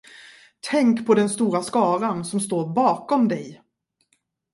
Tänk på den stora skaran, som står bakom dig!